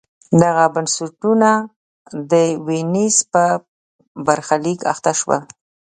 دغه بنسټونه د وینز په برخلیک اخته شول.